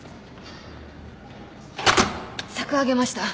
柵上げました。